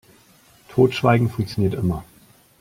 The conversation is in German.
Totschweigen funktioniert immer.